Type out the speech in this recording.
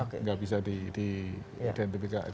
tidak bisa diidentifikasi